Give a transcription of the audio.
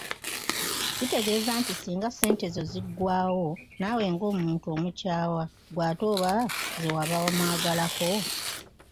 Kitegeeza nti singa ssente ezo ziggwaawo naawe ng'omuntu omukyawa gw'ate oba zewaba wamwagalako!